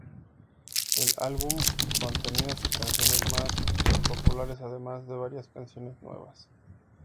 El álbum contenía sus canciones más populares, además de varias canciones nuevas.